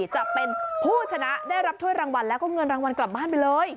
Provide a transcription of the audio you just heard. จะเป็นผู้ชนะได้รับถ้วยรางวัลแล้วก็เงินรางวัลกลับบ้านไปเลย